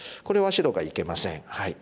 これは白がいけません。